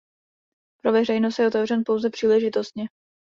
Pro veřejnost je otevřen pouze příležitostně.